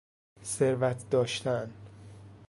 ثروت داشتن